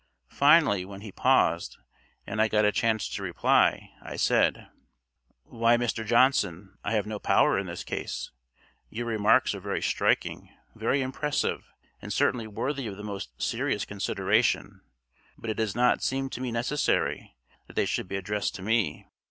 Finally, when he paused and I got a chance to reply, I said: "Why, Mr. Johnson, I have no power in this case. Your remarks are very striking, very impressive, and certainly worthy of the most serious consideration, but it does not seem to me necessary that they should be addressed to me.